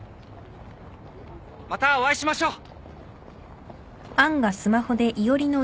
またお会いしましょう！